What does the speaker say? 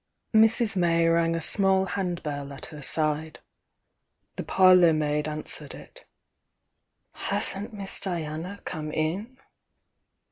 Mrs. May rang a smaU hand bell at her ^e. ine parlour maid answered it. 'Hasn't Miss Diana come in?"